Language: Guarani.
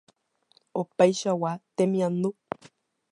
opáichagua temiandu